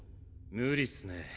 無理っすね。